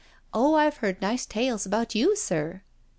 Oh, I've heard nice tales about you, sir."